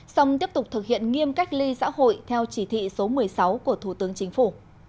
xong tiếp tục thực hiện nghiêm cách ly xã hội theo chỉ thị số một mươi sáu của thủ tướng chính phủ